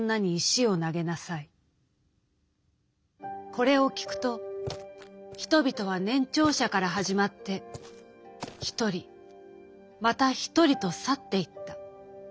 「これを聞くと人々は年長者から始まって一人また一人と去っていった。